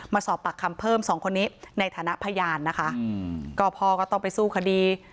มาสอบปากคำเพิ่มสองคนนี้ในฐานะพยานนะคะอืมก็พ่อก็ต้องไปสู้คดี